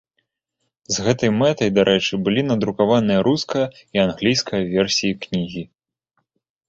З гэтай мэтай, дарэчы, былі надрукаваныя руская і англійская версіі кнігі.